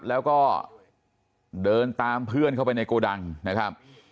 แล้วก็เดินตามเพื่อนเข้าไปในโกดังนะครับ